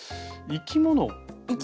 生き物？